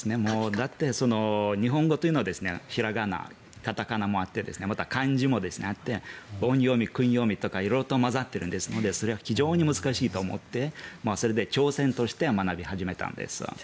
だって日本語というのは平仮名、片仮名もあってまた、漢字もあって音読み、訓読みとか色々と交ざっているのでそれは非常に難しいと思って挑戦として学び始めたのです。